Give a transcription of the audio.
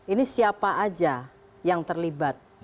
ini siapa aja yang terlibat